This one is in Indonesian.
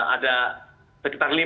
ada sekitar lima